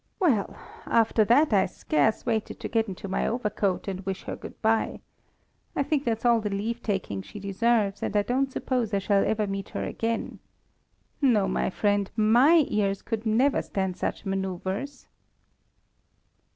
Well, after that I scarce waited to get into my overcoat and wish her good bye. I think that's all the leave taking she deserves, and don't suppose I shall ever meet her again. No, my friend, my ears could never stand such manœuvres."